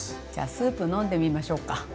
じゃスープ飲んでみましょうか？